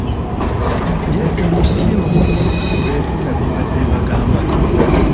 Ye ono si y'omu ku beetunda be mbadde mbagamba?